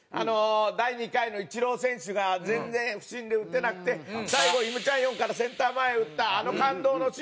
第２回のイチロー選手が全然不振で打てなくて最後イム・チャンヨンからセンター前打ったあの感動のシーン。